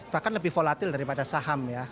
bahkan lebih volatil daripada saham ya